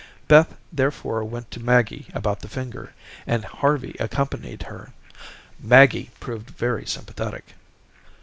Beth therefore went to Maggie about the finger, and Harvey accompanied her. Maggie proved very sympathetic.